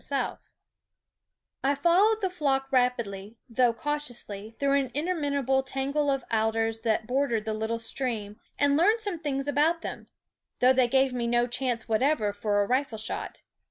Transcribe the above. SCHOOL OF g I followed the flock rapidly, though cau ^ ous ^y> through an interminable tangle of alders that bordered the little stream, and learned some things about them; though they gave me no chance whatever for a rifle shot.